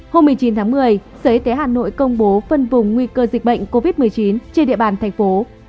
hôm một mươi chín tháng một mươi sở y tế hà nội công bố phân vùng nguy cơ dịch bệnh covid một mươi chín trên địa bàn thành phố